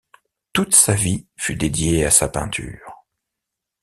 Toute sa vie fut dédiée à sa peinture.